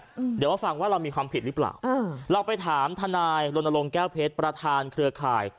เดี๋ยวมาฟังว่าเรามีความผิดหรือเปล่าอ่าเราไปถามทนายรณรงค์แก้วเพชรประธานเครือข่าย